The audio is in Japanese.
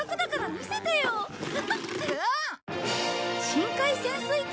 深海潜水艇？